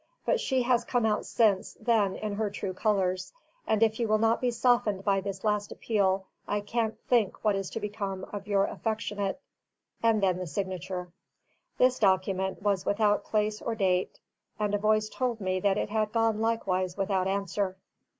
But she has come out since then in her true colours; and if you will not be softened by this last appeal, I can't think what is to become of your affectionate " and then the signature. This document was without place or date, and a voice told me that it had gone likewise without answer.